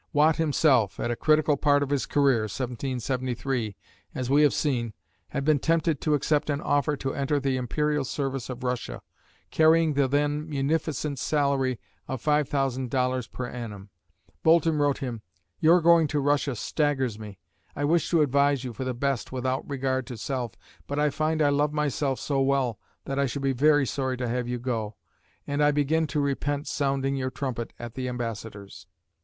Watt himself, at a critical part of his career (1773), as we have seen, had been tempted to accept an offer to enter the imperial service of Russia, carrying the then munificent salary of $5,000 per annum. Boulton wrote him: "Your going to Russia staggers me.... I wish to advise you for the best without regard to self, but I find I love myself so well that I should be very sorry to have you go, and I begin to repent sounding your trumpet at the Ambassador's."